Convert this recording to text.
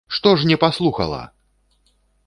Што ж не паслухала!